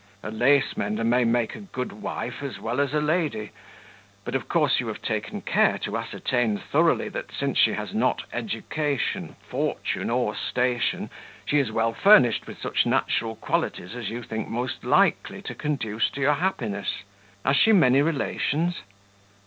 A lace mender may make a good wife as well as a lady; but of course you have taken care to ascertain thoroughly that since she has not education, fortune or station, she is well furnished with such natural qualities as you think most likely to conduce to your happiness. Has she many relations?"